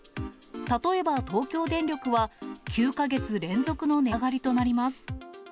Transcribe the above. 例えば東京電力は、９か月連続の値上がりとなります。